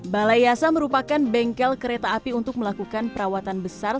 balai yasa merupakan bengkel kereta api untuk melakukan perawatan besar